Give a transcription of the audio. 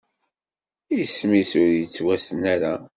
Isem-is ur yettwassen ara.